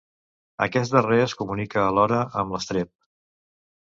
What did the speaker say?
Aquest darrer es comunica alhora amb l'estrep.